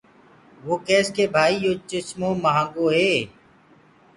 وو ڪيس ڪي ڀآئي يو چمو مهآنگو هي۔